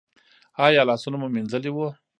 ایا لاسونه مو مینځلي وو؟